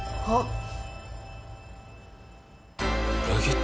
あっ！